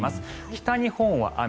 北日本は雨